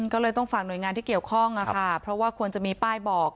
ก็เลยต้องฝากหน่วยงานที่เกี่ยวข้องค่ะเพราะว่าควรจะมีป้ายบอก